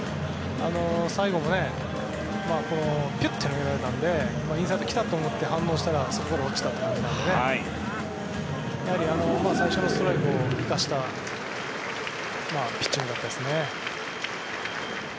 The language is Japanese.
最後もピュッと投げられたのでインサイド来たと思って反応したら落ちたということで最初のストライクを生かしたピッチングだったですね。